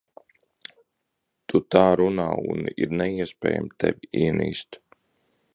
Tu tā runā, un ir neiespējami tevi ienīst.